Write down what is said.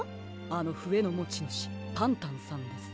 あのふえのもちぬしパンタンさんです。